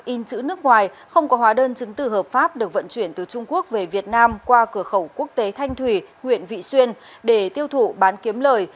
in chữ nước ngoài không có hóa đơn chứng từ hợp pháp được vận chuyển từ trung quốc về việt nam qua cửa khẩu quốc tế thanh thủy huyện vị xuyên để tiêu thụ bán kiếm lời